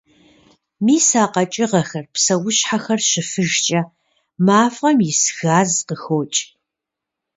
Мис а къэкӀыгъэхэр, псэущхьэхэр щыфыжкӀэ мафӀэм ис газ къыхокӀ.